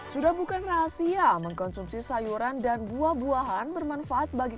sudah bukan rahasia mengkonsumsi sayuran dan buah buahan bermanfaat bagi